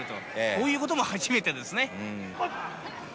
こういうことも初めてですね。